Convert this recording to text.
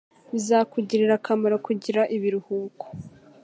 Bizakugirira akamaro kugira ibiruhuko.